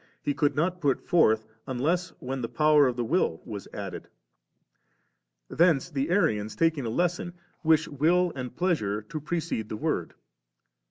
He could not put forth •, unless when the power of the Will was added. Thence the Arians taking a lesson, wish will and pleasure to precede the Word.